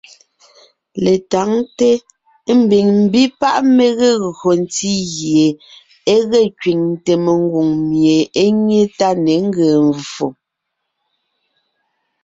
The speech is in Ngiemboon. Letáŋte ḿbiŋ ḿbí páʼ mé gee gÿo ntí gie e ge kẅiŋte mengwòŋ mie é nyé tá ne ńgee mvfò.